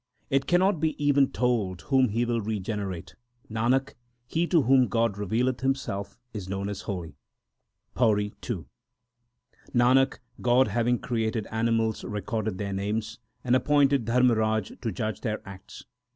It cannot be even told whom He will regenerate. Nanak, he to whom God revealeth Himself, is known as holy. PAURI II Nanak, God having created animals recorded their names, and appointed Dharmraj to judge their acts.